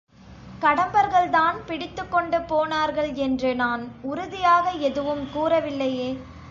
கடம்பர்கள்தான் பிடித்துக் கொண்டு போனார்கள் என்று நான் உறுதியாக எதுவும் கூறவில்லையே?